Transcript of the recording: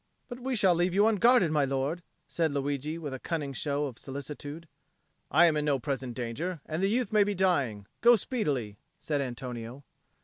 "But we shall leave you unguarded, my lord," said Luigi with a cunning show of solicitude. "I am in no present danger, and the youth may be dying. Go speedily," said Antonio.